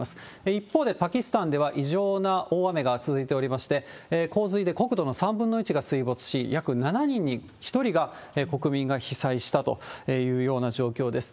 一方で、パキスタンでは異常な大雨が続いておりまして、洪水で国土の３分の１が水没し、約７人に１人が、国民が被災したというような状況です。